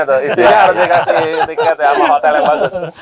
sama hotel yang bagus